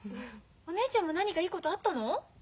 お姉ちゃんも何かいいことあったの？